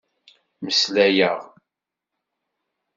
Mmeslayeɣ.